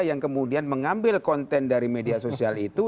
yang kemudian mengambil konten dari media sosial itu